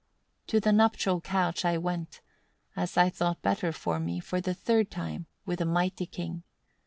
14. "To the nuptial couch I went as I thought better for me, for the third time, with a mighty king.